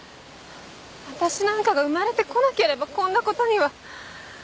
私なんかが生まれてこなければこんなことには。